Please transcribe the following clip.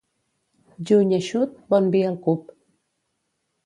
Juny eixut, bon vi al cup.